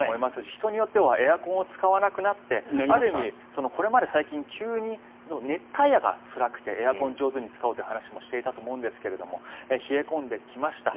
人によってはエアコンを使わなくなってある意味、これまで最近急に熱帯夜がつらくてエアコンを上手に使おうという話もしていたと思うんですが冷え込んできました。